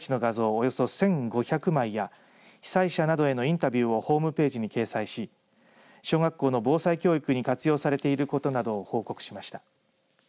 およそ１５００枚や被災者などへのインタビューをホームページに掲載し小学校の防災教育に活用されていることなどを報告しました。